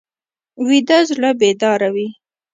ویده زړه بیداره وي